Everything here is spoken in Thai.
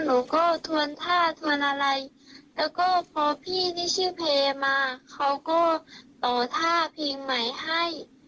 หนูก็ทวนท่าทวนอะไรแล้วก็พอพี่นี่ชื่อแพรมาเขาก็ต่อท่าเพลงใหม่ให้